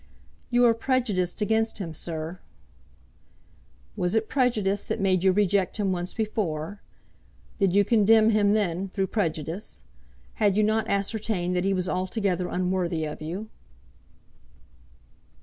"You are prejudiced against him, sir." "Was it prejudice that made you reject him once before? Did you condemn him then through prejudice? Had you not ascertained that he was altogether unworthy of you?"